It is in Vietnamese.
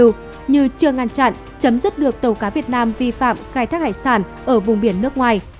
nếu như chưa ngăn chặn chấm dứt được tàu cá việt nam vi phạm khai thác hải sản ở vùng biển nước ngoài